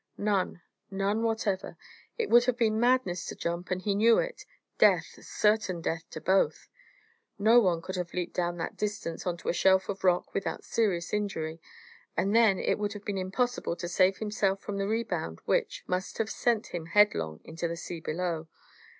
None none whatever. It would have been madness to jump, and he knew it death certain death to both. No one could have leaped down that distance on to a shelf of rock without serious injury, and then it would have been impossible to save himself from the rebound which must have sent him headlong into the sea below.